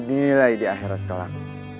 dinilai di akhirat kelak